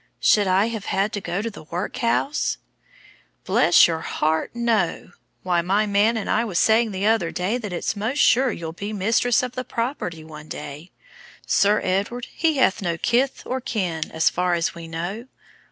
Should I have had to go to the workhouse?" "Bless your little heart, no! Why, my man and I was saying the other day that it's most sure as you'll be mistress of the property one day. Sir Edward he have no other kith or kin, as far as we know.